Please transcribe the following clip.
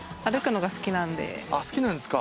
好きなんすか？